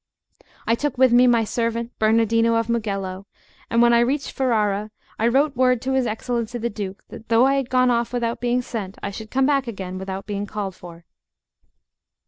I took with me my servant Bernardino of Mugello; and when I reached Ferrara, I wrote word to his Excellency the Duke, that though I had gone off without being sent, I should come back again without being called for.